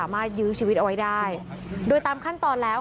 ผมยังอยากรู้ว่าว่ามันไล่ยิงคนทำไมวะ